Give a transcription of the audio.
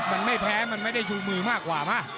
มันไม่แพ้มันไม่ได้ชูมือมากกว่าป่ะ